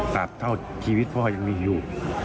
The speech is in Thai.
เท่าชีวิตพ่อยังมีอยู่